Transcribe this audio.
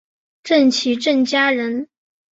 郑琦郑家人。